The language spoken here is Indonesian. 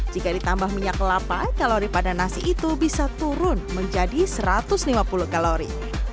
jika ditambah minyak kelapa kalori pada nasi itu bisa turun menjadi satu ratus lima puluh kalori